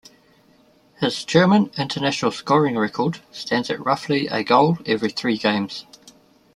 His German international scoring record stands at roughly a goal every three games.